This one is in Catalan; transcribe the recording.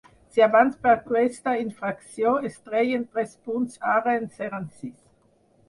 Si abans per aquesta infracció es treien tres punts ara en seran sis.